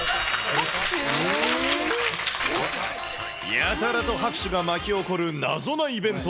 やたらと拍手が巻き起こる謎のイベント。